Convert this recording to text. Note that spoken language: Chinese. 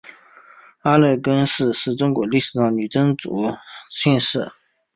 阿勒根氏是中国历史上女真族姓氏。